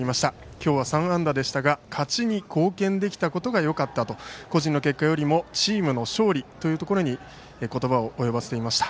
今日は３安打でしたが勝ちに貢献できたことがよかったと個人の結果よりもチームの勝利というところに言葉を及ばせていました。